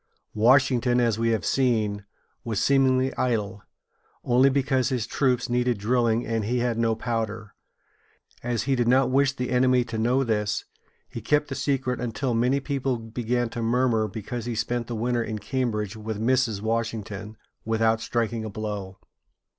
Washington, as we have seen, was seemingly idle, only because his troops needed drilling and he had no powder. As he did not wish the enemy to know this, he kept the secret until many people began to murmur because he spent the winter in Cambridge with Mrs. Washington, without striking a blow.